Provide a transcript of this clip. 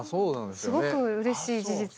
すごくうれしい事実。